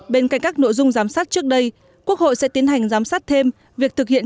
bên cạnh các nội dung giám sát trước đây quốc hội sẽ tiến hành giám sát thêm việc thực hiện